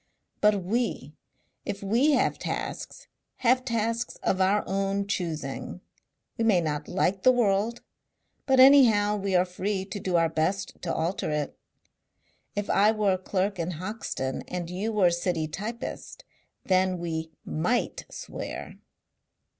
But we, if we have tasks, have tasks of our own choosing. We may not like the world, but anyhow we are free to do our best to alter it. If I were a clerk in Hoxton and you were a city typist, then we MIGHT swear."